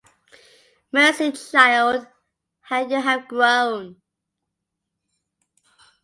Mercy, child, how you have grown!